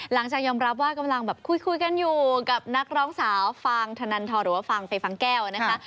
ยอมรับว่ากำลังแบบคุยกันอยู่กับนักร้องสาวฟางธนันทรหรือว่าฟางไปฟังแก้วนะคะ